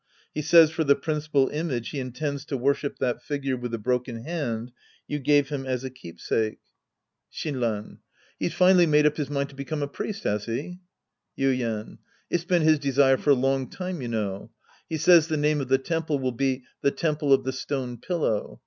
He says for the principal image he intends to worship that figure with the broken hand you gave him as a keepsake. 122 The Priest and His Disciples Act III Shinran. He's finally made up his mind to become a priest, has he ? Yuien. It's been his desire for a long time, you know. He says the name of the temple will be, " The Temple of the Stone Pillow."